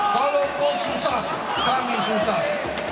kalau itu susah kami susah